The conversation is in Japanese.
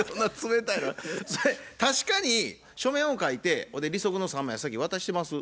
確かに書面を書いて利息の３万円先渡してます。